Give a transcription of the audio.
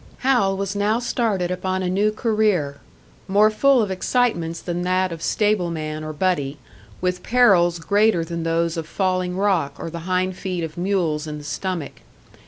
Hal was now started upon a new career, more full of excitements than that of stableman or buddy, with perils greater than those of falling rock or the hind feet of mules in the stomach.